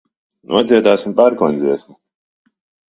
Nodziedāsim pērkona dziesmu.